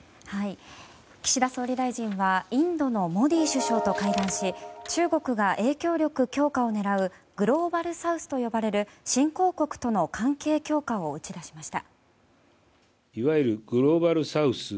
岸田総理大臣はインドのモディ首相と会談し中国が影響力強化を狙うグローバルサウスと呼ばれる新興国との関係強化を打ち出しました。